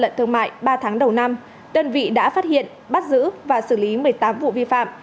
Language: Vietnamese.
lận thương mại ba tháng đầu năm đơn vị đã phát hiện bắt giữ và xử lý một mươi tám vụ vi phạm